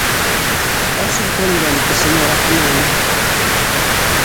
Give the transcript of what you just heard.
É sorprendente, señora Caamaño.